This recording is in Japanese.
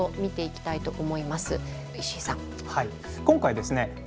今回ですね